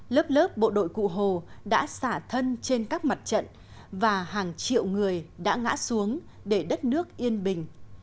lớp lớp bộ đội cụ hồ đã xả thân trên các mặt trận và hàng triệu người đã ngã xuống để đất nước yên bình